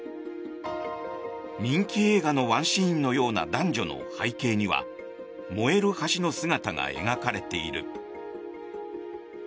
人気映画のワンシーンのような男女の背景には燃える橋の姿が描かれている。